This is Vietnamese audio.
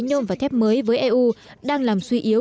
nhôm và thép mới với eu đang làm suy yếu